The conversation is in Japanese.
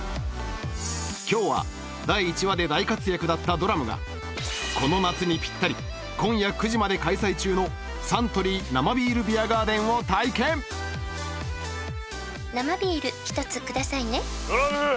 今日は第１話で大活躍だったドラムがこの夏にぴったり今夜９時まで開催中のサントリー生ビールビアガーデンを体験「生ビール一つくださいね」